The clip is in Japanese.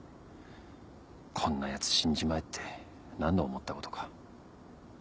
こんなやつ死んじまえって何度思ったことか。